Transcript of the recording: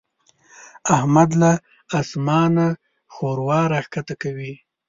احمد له اسمانه ښوروا راکښته کوي.